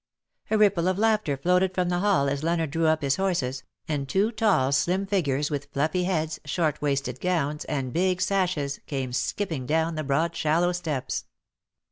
A ripple of laughter floated from the hall as Leonard drew up his horses, and two tall slim figures with fluffy heads, short waisted gowns, and big sashes, came skipping down the broad shallow steps.